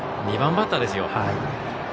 ２番バッターですよ。